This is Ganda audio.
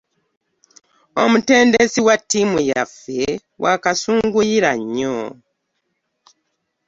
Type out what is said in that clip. Omutendesi wa ttiimu yaffe wa kasunguyira nnyo.